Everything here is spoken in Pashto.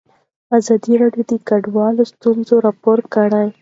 ازادي راډیو د کډوال ستونزې راپور کړي.